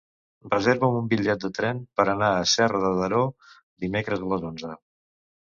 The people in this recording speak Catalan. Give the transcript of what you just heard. Reserva'm un bitllet de tren per anar a Serra de Daró dimecres a les onze.